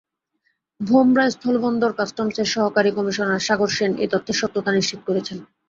ভোমরা স্থলবন্দর কাস্টমসের সহকারী কমিশনার সাগর সেন এ তথ্যের সত্যতা নিশ্চিত করেছেন।